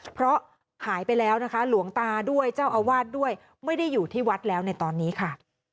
เพราะหายไปแล้วนะคะหลวงตาด้วยเจ้าอาวาสด้วยไม่ได้อยู่ที่วัดแล้วในตอนนี้ค่ะ